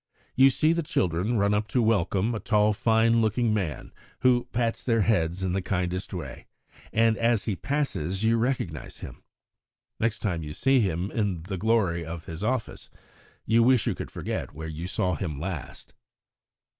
You see the children run up to welcome a tall, fine looking man, who pats their heads in the kindest way, and as he passes you recognise him. Next time you see him in the glory of his office, you wish you could forget where you saw him last.